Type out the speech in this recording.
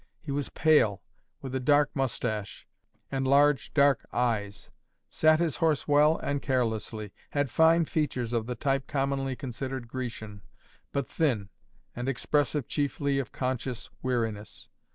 He was pale, with a dark moustache, and large dark eyes; sat his horse well and carelessly; had fine features of the type commonly considered Grecian, but thin, and expressive chiefly of conscious weariness.